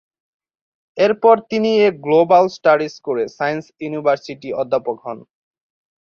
এরপর তিনি এ গ্লোবাল স্টাডিজ করে সায়েন্স ইউনিভার্সিটি অধ্যাপক হন।